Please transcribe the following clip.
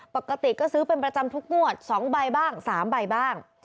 ปกติก็ซื้อเป็นประจำทุกงวด๒ใบบ้าง๓ใบบ้าง